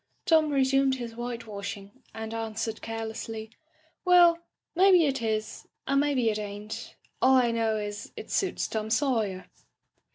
" Tom resumed his whitewashing and an^ swered carelessly: "'Welly maybe it is, and maybe it ain't; all I know is it suits Tom Sawyer.'"